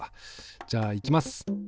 じゃあいきます。